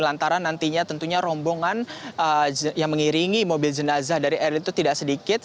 lantaran nantinya tentunya rombongan yang mengiringi mobil jenazah dari eril itu tidak sedikit